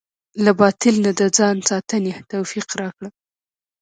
له باطل نه د ځان ساتنې توفيق راکړه.